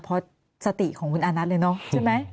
พอสติของคุณอนัทส์เลยเนอะใช่ไหม